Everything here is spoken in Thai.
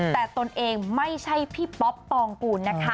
แต่ตนเองไม่ใช่พี่ป๊อปปองกูลนะคะ